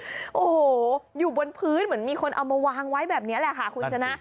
โอ้โหอยู่บนพื้นเหมือนมีคนเอามาวางไว้แบบนี้แหละค่ะคุณชนะ